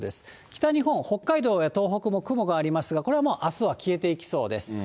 北日本、北海道や東北も雲がありますが、これはもうあすは消えていきそうです。